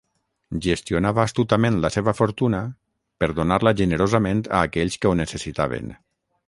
Gestionava astutament la seva fortuna per donar-la generosament a aquells que ho necessitaven.